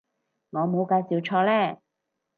我冇介紹錯呢